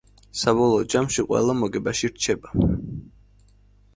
საბოლოო ჯამში ყველა მოგებაში რჩება.